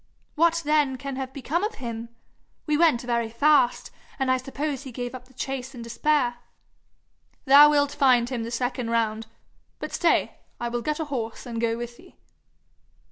'What then can have become of him? We went very fast, and I suppose he gave up the chase in despair.' 'Thou wilt find him the second round. But stay I will get a horse and go with thee.'